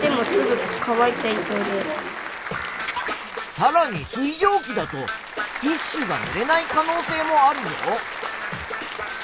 さらに水蒸気だとティッシュがぬれない可能性もあるぞ。